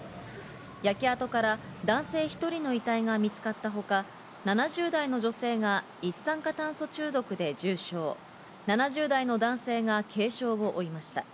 焼け跡から男性１人の遺体が見つかったほか、７０代の女性が一酸化炭素中毒で重症、７０代の男性が軽症を負いました。